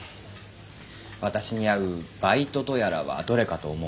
私に合う馬居斗とやらはどれかと思うてな。